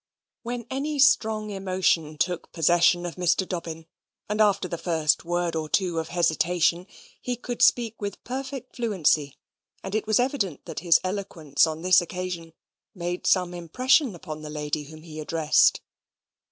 When any strong emotion took possession of Mr. Dobbin, and after the first word or two of hesitation, he could speak with perfect fluency, and it was evident that his eloquence on this occasion made some impression upon the lady whom he addressed.